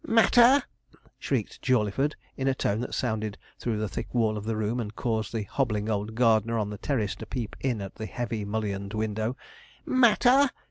'Matter!' shrieked Jawleyford, in a tone that sounded through the thick wall of the room, and caused the hobbling old gardener on the terrace to peep in at the heavy mullioned window. 'Matter!'